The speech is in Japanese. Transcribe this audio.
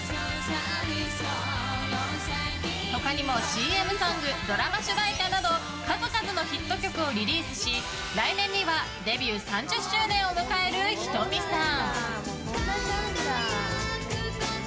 他にもＣＭソングドラマ主題歌など数々のヒット曲をリリースし来年にはデビュー３０周年を迎えるｈｉｔｏｍｉさん。